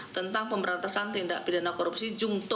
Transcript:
tentang pemberantasan tindak pidana korupsi jungto